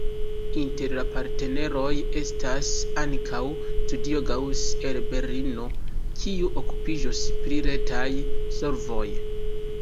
Inter la partneroj estas ankaŭ Studio Gaus el Berlino, kiu okupiĝos pri retaj solvoj.